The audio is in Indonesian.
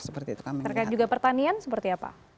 terkait juga pertanian seperti apa